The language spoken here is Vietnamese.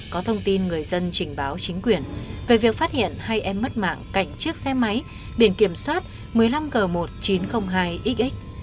có thông tin người dân trình báo chính quyền về việc phát hiện hai em mất mạng cạnh chiếc xe máy biển kiểm soát một mươi năm g một nghìn chín trăm linh hai xx